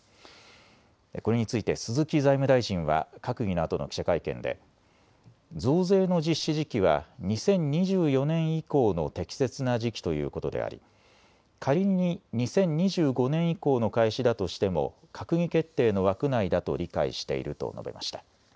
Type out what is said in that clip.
これについて鈴木財務大臣は閣議のあとの記者会見で増税の実施時期は２０２４年以降の適切な時期ということであり、仮に２０２５年以降の開始だとしても閣議決定の枠内だと理解していると述べました。